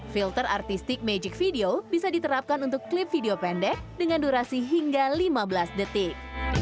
filter artistik magic video bisa diterapkan untuk klip video pendek dengan durasi hingga lima belas detik